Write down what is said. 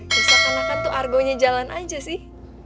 bisa kan akan tuh argonya jalan aja sih